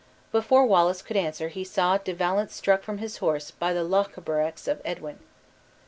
Before Wallace could answer he saw De Valence struck from his horse by the Lochaberax of Edwin.